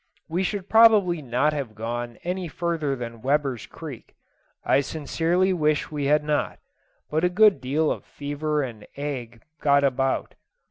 We should probably not have gone any further than Weber's Creek I sincerely wish we had not but a good deal of fever and ague got about.